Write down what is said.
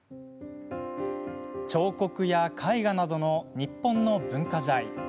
彫刻や絵画などの日本の文化財。